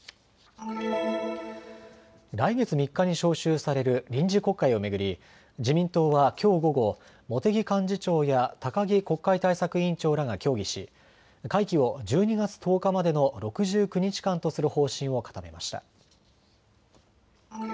来月３日に召集される臨時国会を巡り自民党はきょう午後、茂木幹事長や高木国会対策委員長らが協議し会期を１２月１０日までの６９日間とする方針を固めました。